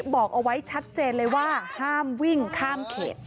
บอกเอาไว้ชัดเจนเลยว่าห้ามวิ่งข้ามเขต